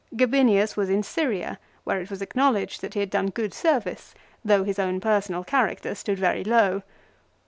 Gabinius was in Syria, where it was acknowledged that he had done good service, though his own personal character stood very low.